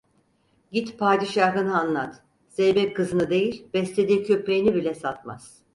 Git padişahına anlat; zeybek kızını değil, beslediği köpeğini bile satmaz.